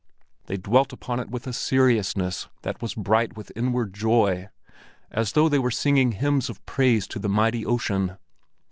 They dwelt upon it with a seriousness that was bright with inward joy, as though they were singing hymns of praise to the mighty ocean.